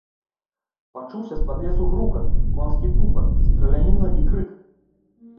Пачуўся з пад лесу грукат, конскі тупат, страляніна і крык.